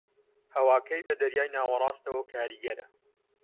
ھەواکەی بە دەریای ناوەڕاستەوە کاریگەرە